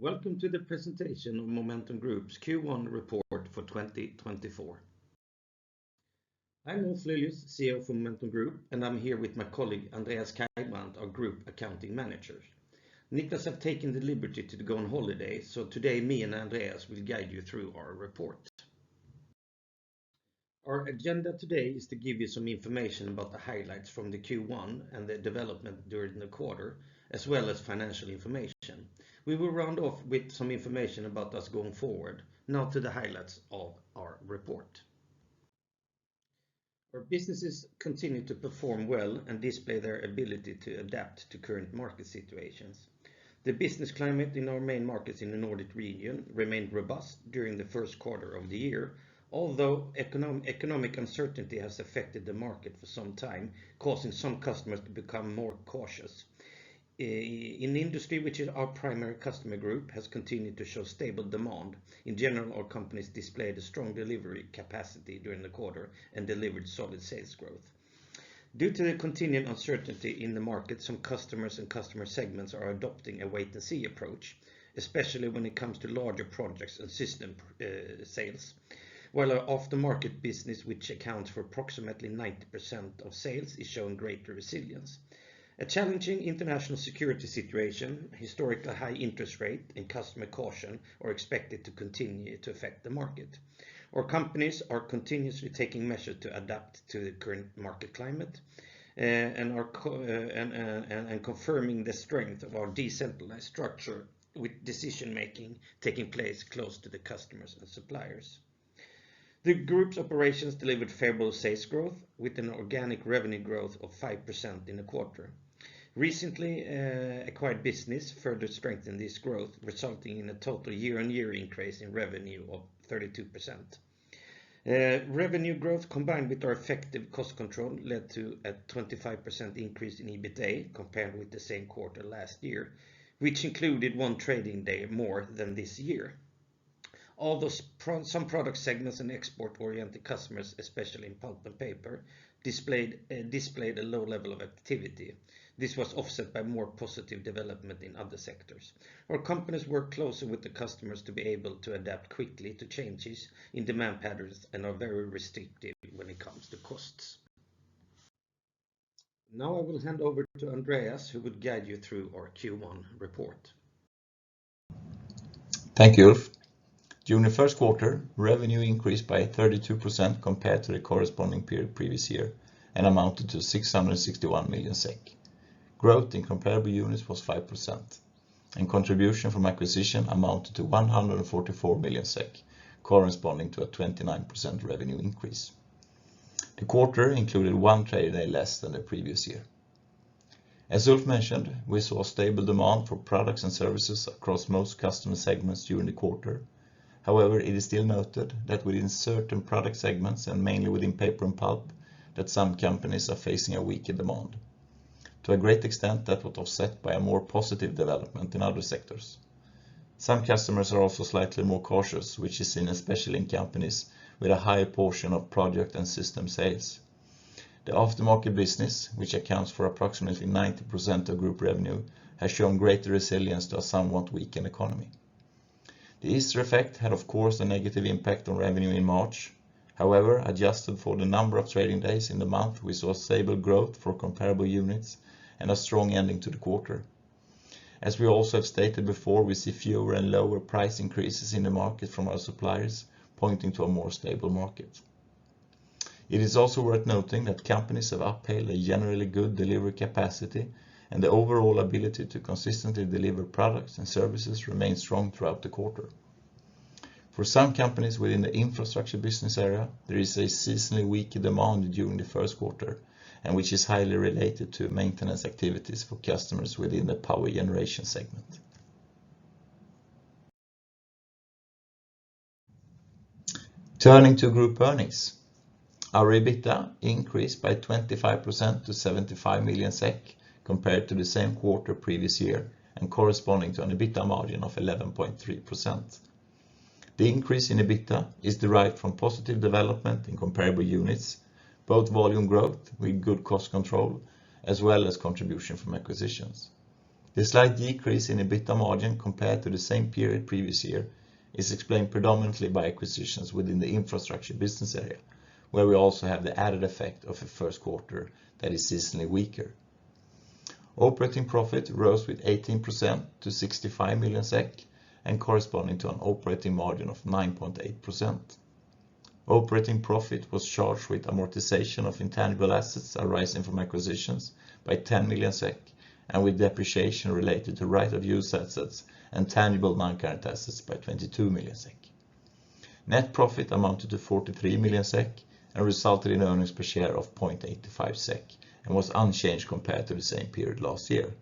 Welcome to the presentation of Momentum Group's Q1 Report for 2024. I'm Ulf Lilius, CEO of Momentum Group, and I'm here with my colleague, Andreas Cajbrandt, our Group Accounting Manager. Niklas have taken the liberty to go on holiday, so today, me and Andreas will guide you through our report. Our agenda today is to give you some information about the highlights from the Q1 and the development during the quarter, as well as financial information. We will round off with some information about us going forward. Now to the highlights of our report. Our businesses continue to perform well and display their ability to adapt to current market situations. The business climate in our main markets in the Nordic region remained robust during the first quarter of the year, although economic uncertainty has affected the market for some time, causing some customers to become more cautious. In the industry, which is our primary customer group, has continued to show stable demand. In general, our companies displayed a strong delivery capacity during the quarter and delivered solid sales growth. Due to the continuing uncertainty in the market, some customers and customer segments are adopting a wait-and-see approach, especially when it comes to larger projects and system sales. While our aftermarket business, which accounts for approximately 90% of sales, is showing greater resilience. A challenging international security situation, historically high interest rate, and customer caution are expected to continue to affect the market. Our companies are continuously taking measures to adapt to the current market climate, and are confirming the strength of our decentralized structure with decision making taking place close to the customers and suppliers. The group's operations delivered favorable sales growth, with an organic revenue growth of 5% in the quarter. Recently, acquired business further strengthened this growth, resulting in a total YoY increase in revenue of 32%. Revenue growth, combined with our effective cost control, led to a 25% increase in EBITA, compared with the same quarter last year, which included one trading day more than this year. Although some product segments and export-oriented customers, especially in pulp and paper, displayed a low level of activity, this was offset by more positive development in other sectors. Our companies work closely with the customers to be able to adapt quickly to changes in demand patterns and are very restrictive when it comes to costs. Now I will hand over to Andreas, who will guide you through our Q1 report. Thank you, Ulf. During the first quarter, revenue increased by 32% compared to the corresponding period previous year and amounted to 661 million SEK. Growth in comparable units was 5%, and contribution from acquisition amounted to 144 million SEK, corresponding to a 29% revenue increase. The quarter included 1 trading day less than the previous year. As Ulf mentioned, we saw stable demand for products and services across most customer segments during the quarter. However, it is still noted that within certain product segments, and mainly within paper and pulp, that some companies are facing a weaker demand. To a great extent, that was offset by a more positive development in other sectors. Some customers are also slightly more cautious, which is seen especially in companies with a higher portion of project and system sales. The aftermarket business, which accounts for approximately 90% of group revenue, has shown greater resilience to a somewhat weakened economy. The Easter effect had, of course, a negative impact on revenue in March. However, adjusted for the number of trading days in the month, we saw stable growth for comparable units and a strong ending to the quarter. As we also have stated before, we see fewer and lower price increases in the market from our suppliers, pointing to a more stable market. It is also worth noting that companies have upheld a generally good delivery capacity, and the overall ability to consistently deliver products and services remained strong throughout the quarter. For some companies within the Infrastructure Business Area, there is a seasonally weaker demand during the first quarter, and which is highly related to maintenance activities for customers within the power generation segment. Turning to group earnings. Our EBITA increased by 25% to 75 million SEK, compared to the same quarter previous year, and corresponding to an EBITA margin of 11.3%. The increase in EBITA is derived from positive development in comparable units, both volume growth with good cost control, as well as contribution from acquisitions. The slight decrease in EBITA margin compared to the same period previous year is explained predominantly by acquisitions within the Infrastructure Business Area, where we also have the added effect of a first quarter that is seasonally weaker. Operating profit rose with 18% to 65 million SEK and corresponding to an operating margin of 9.8%. Operating profit was charged with amortization of intangible assets arising from acquisitions by 10 million SEK, and with depreciation related to right-of-use assets and tangible non-current assets by 22 million SEK. Net profit amounted to 43 million SEK and resulted in earnings per share of 0.85 SEK and was unchanged compared to the same period last year.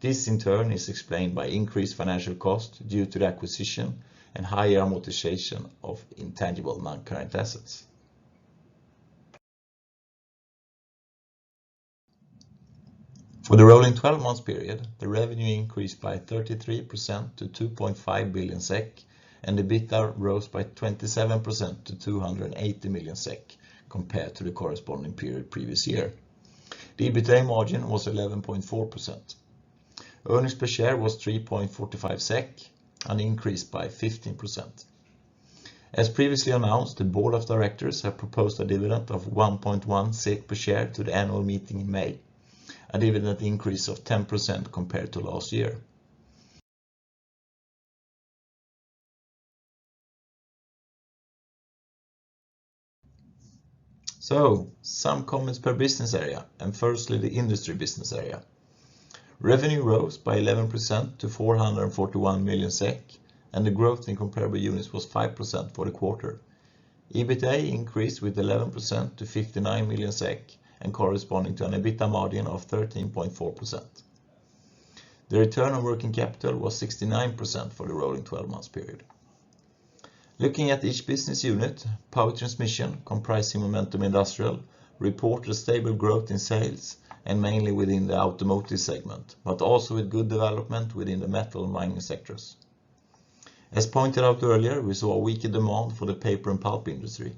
This, in turn, is explained by increased financial costs due to the acquisition and higher amortization of intangible non-current assets. For the rolling 12 months period, the revenue increased by 33% to 2.5 billion SEK, and EBITA rose by 27% to 280 million SEK compared to the corresponding period previous year. The EBITA margin was 11.4%. Earnings per share was 3.45 SEK, an increase by 15%. As previously announced, the board of directors have proposed a dividend of 1.1 per share to the annual meeting in May, a dividend increase of 10% compared to last year. So some comments per business area, and firstly, the Industry Business Area. Revenue rose by 11% to 441 million SEK, and the growth in comparable units was 5% for the quarter. EBITA increased with 11% to 59 million SEK, and corresponding to an EBITA margin of 13.4%. The return on working capital was 69% for the rolling twelve months period. Looking at each business unit, Power Transmission, comprising Momentum Industrial, reported stable growth in sales and mainly within the automotive segment, but also with good development within the metal and mining sectors. As pointed out earlier, we saw a weaker demand for the paper and pulp industry.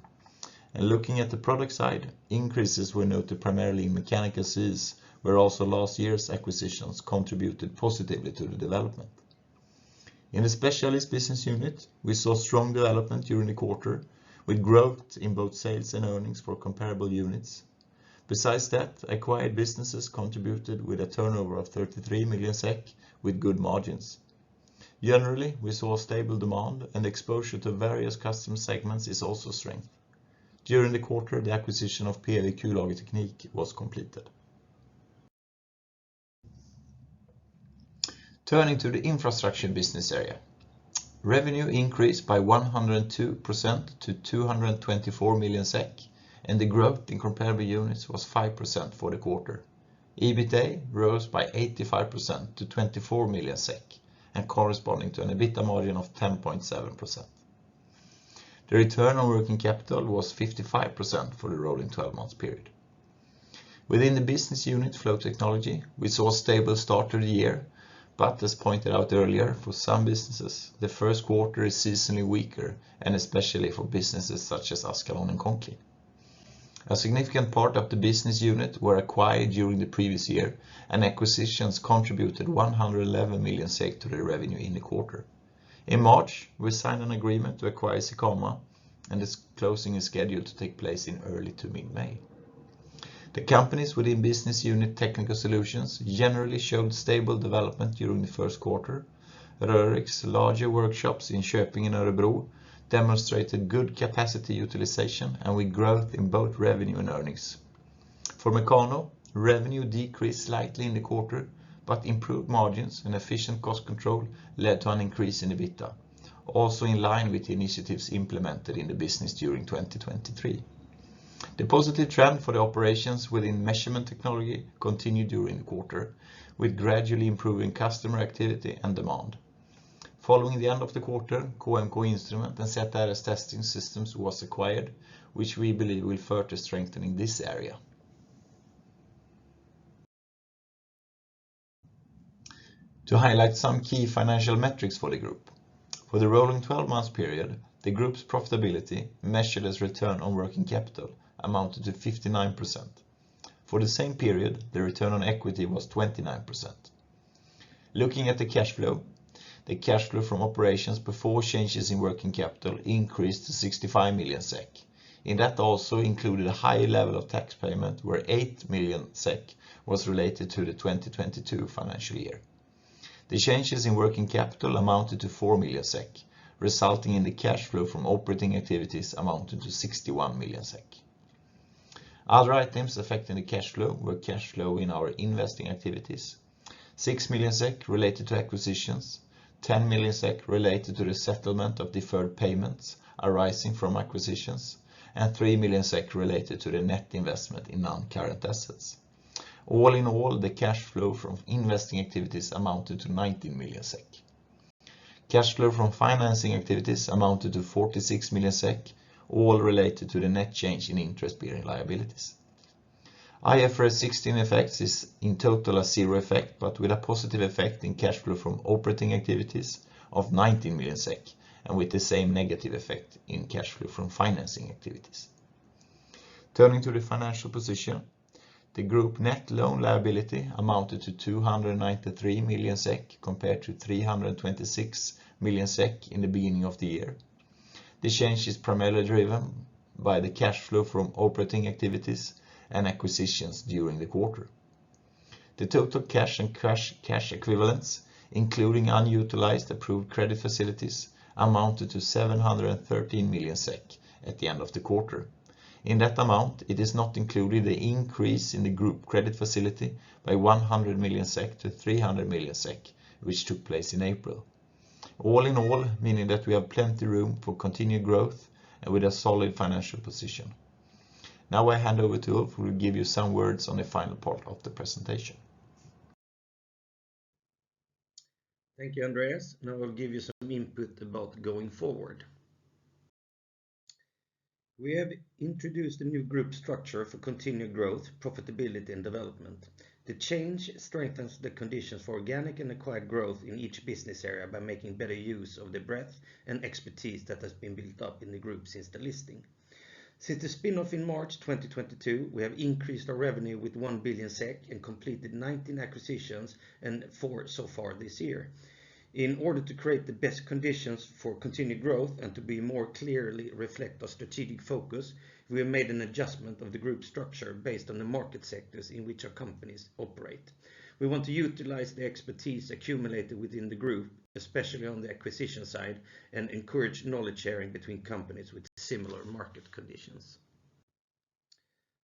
And looking at the product side, increases were noted primarily in mechanical seals, where also last year's acquisitions contributed positively to the development. In the Specialist Business Unit, we saw strong development during the quarter, with growth in both sales and earnings for comparable units. Besides that, acquired businesses contributed with a turnover of 33 million SEK with good margins. Generally, we saw stable demand, and exposure to various customer segments is also strength. During the quarter, the acquisition of PW Kullagerteknik was completed. Turning to the Infrastructure Business Area, revenue increased by 102% to 224 million SEK, and the growth in comparable units was 5% for the quarter. EBITA rose by 85% to 24 million SEK, and corresponding to an EBITA margin of 10.7%. The return on working capital was 55% for the rolling twelve months period. Within the business unit, Flow Technology, we saw a stable start to the year, but as pointed out earlier, for some businesses, the first quarter is seasonally weaker, and especially for businesses such as Askalon and Conclean. A significant part of the business unit were acquired during the previous year, and acquisitions contributed 111 million to the revenue in the quarter. In March, we signed an agreement to acquire Sikama, and its closing is scheduled to take place in early to mid-May. The companies within business unit Technical Solutions, generally showed stable development during the first quarter. Rörick's larger workshops in Köping and Örebro demonstrated good capacity utilization and with growth in both revenue and earnings. For Mekano, revenue decreased slightly in the quarter, but improved margins and efficient cost control led to an increase in EBITA, also in line with the initiatives implemented in the business during 2023. The positive trend for the operations within Measurement Technology continued during the quarter, with gradually improving customer activity and demand. Following the end of the quarter, KmK Instrument and ZRS Testing Systems was acquired, which we believe will further strengthen in this area. To highlight some key financial metrics for the group. For the rolling twelve months period, the group's profitability, measured as return on working capital, amounted to 59%. For the same period, the return on equity was 29%. Looking at the cash flow, the cash flow from operations before changes in working capital increased to 65 million SEK. In that also included a high level of tax payment, where 8 million SEK was related to the 2022 financial year. The changes in working capital amounted to 4 million SEK, resulting in the cash flow from operating activities amounting to 61 million SEK. Other items affecting the cash flow were cash flow in our investing activities. 6 million SEK related to acquisitions, 10 million SEK related to the settlement of deferred payments arising from acquisitions, and 3 million SEK related to the net investment in non-current assets. All in all, the cash flow from investing activities amounted to 19 million SEK. Cash flow from financing activities amounted to 46 million SEK, all related to the net change in interest-bearing liabilities. IFRS 16 effects is in total a zero effect, but with a positive effect in cash flow from operating activities of 19 million SEK, and with the same negative effect in cash flow from financing activities. Turning to the financial position, the group net loan liability amounted to 293 million SEK, compared to 326 million SEK in the beginning of the year. The change is primarily driven by the cash flow from operating activities and acquisitions during the quarter. The total cash and cash equivalents, including unutilized approved credit facilities, amounted to 713 million SEK at the end of the quarter. In that amount, it is not included the increase in the group credit facility by 100 million SEK to 300 million SEK, which took place in April. All in all, meaning that we have plenty room for continued growth and with a solid financial position. Now I hand over to Ulf, who will give you some words on the final part of the presentation. Thank you, Andreas. Now I'll give you some input about going forward. We have introduced a new group structure for continued growth, profitability, and development. ...The change strengthens the conditions for organic and acquired growth in each business area by making better use of the breadth and expertise that has been built up in the group since the listing. Since the spin-off in March 2022, we have increased our revenue with 1 billion SEK and completed 19 acquisitions, and 4 so far this year. In order to create the best conditions for continued growth and to be more clearly reflect our strategic focus, we have made an adjustment of the group structure based on the market sectors in which our companies operate. We want to utilize the expertise accumulated within the group, especially on the acquisition side, and encourage knowledge sharing between companies with similar market conditions.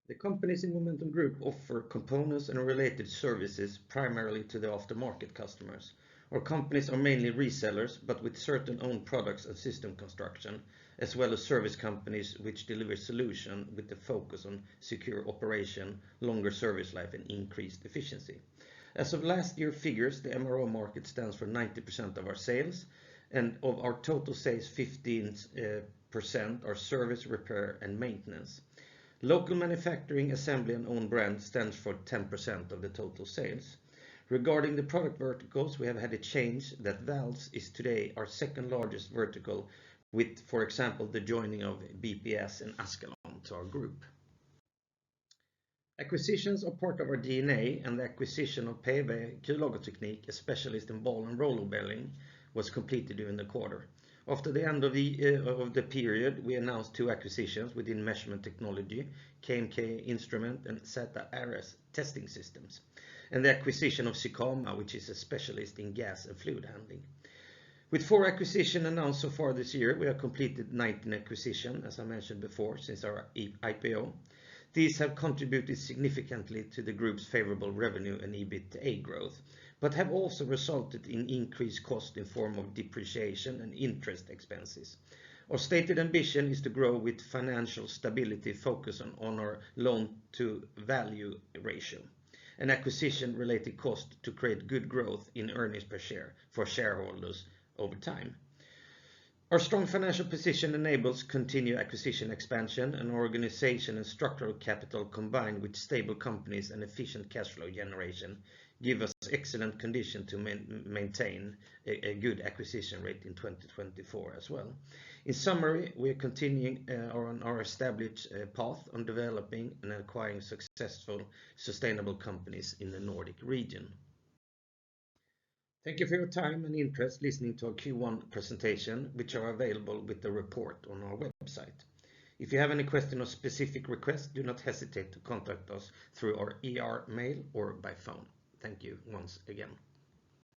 The companies in Momentum Group offer components and related services, primarily to the aftermarket customers. Our companies are mainly resellers, but with certain own products and system construction, as well as service companies, which deliver solution with the focus on secure operation, longer service life, and increased efficiency. As of last year figures, the MRO market stands for 90% of our sales, and of our total sales, 15% are service, repair, and maintenance. Local manufacturing, assembly, and own brand stands for 10% of the total sales. Regarding the product verticals, we have had a change that valves is today our second largest vertical, with, for example, the joining of BPS and Askalon to our group. Acquisitions are part of our DNA, and the acquisition of PW Kullagerteknik, a specialist in ball and roller bearing, was completed during the quarter. After the end of the period, we announced 2 acquisitions within Measurement Technology, KmK Instrument and ZRS Testing Systems, and the acquisition of Sikama, which is a specialist in gas and fluid handling. With 4 acquisitions announced so far this year, we have completed 19 acquisition, as I mentioned before, since our IPO. These have contributed significantly to the group's favorable revenue and EBITA growth, but have also resulted in increased cost in form of depreciation and interest expenses. Our stated ambition is to grow with financial stability, focus on our loan to value ratio, and acquisition-related cost to create good growth in earnings per share for shareholders over time. Our strong financial position enables continued acquisition expansion and organization and structural capital, combined with stable companies and efficient cash flow generation, give us excellent condition to maintain a good acquisition rate in 2024 as well. In summary, we are continuing on our established path on developing and acquiring successful, sustainable companies in the Nordic region. Thank you for your time and interest listening to our Q1 presentation, which are available with the report on our website. If you have any questions or specific requests, do not hesitate to contact us through our IR mail or by phone. Thank you once again.